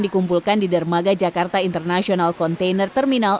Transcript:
dikumpulkan di dermaga jakarta international container terminal